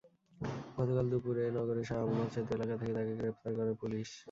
গতকাল দুপুরে নগরের শাহ আমানত সেতু এলাকা থেকে তাঁকে গ্রেপ্তার করে পুলিশ।